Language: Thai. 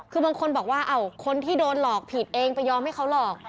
คือบางคนบอกว่าคนที่โดนหลอกผิดเองไปยอมให้เขาหลอก